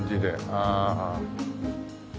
ああ。